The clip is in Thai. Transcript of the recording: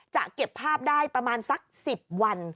จะเก็บภาพได้ประมาณสัก๑๐วัน